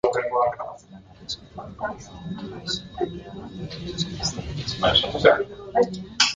Lan-arrisku teknikaria ogibidez, Tuteran alderdi sozialistako presidentea da.